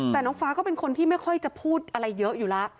แต่น้องฟ้าก็เป็นคนที่ไม่ค่อยจะพูดอะไรเยอะอยู่แล้ว